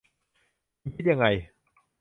คุณคิดยังไง